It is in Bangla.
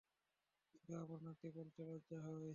তোকে আমার নাতি বলতে লজ্জা হয়।